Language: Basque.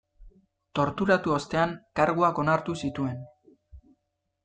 Torturatu ostean, karguak onartu zituen.